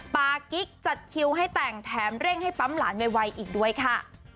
ปากิ๊กจัดคิวให้แต่งแถมเร่งให้ปั๊มหลานไวอีกด้วยค่ะ